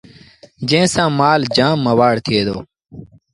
جݩهݩ سآݩ مآل جآم موآڙ ٿئي دو